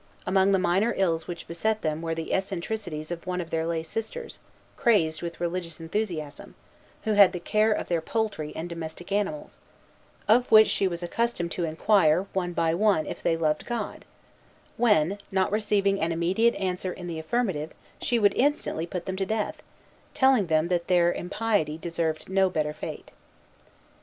Among the minor ills which beset them were the eccentricities of one of their lay sisters, crazed with religious enthusiasm, who had the care of their poultry and domestic animals, of which she was accustomed to inquire, one by one, if they loved God; when, not receiving an immediate answer in the affirmative, she would instantly put them to death, telling them that their impiety deserved no better fate.